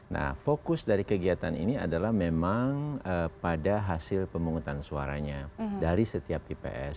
nah fokus dari kegiatan ini adalah memang pada hasil pemungutan suaranya dari setiap tps